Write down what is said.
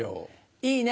いいね。